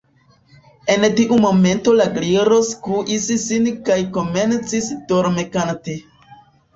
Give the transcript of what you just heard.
En tiu momento la Gliro skuis sin kaj komencis dormkanti.